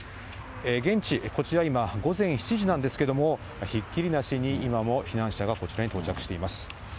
現地、こちら、今、午前７時なんですけれども、ひっきりなしに今も避難者がこちらに到着しています。